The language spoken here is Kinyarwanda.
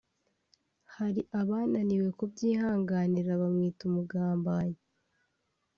Hari abananiwe kubyihanganira bamwita umugambanyi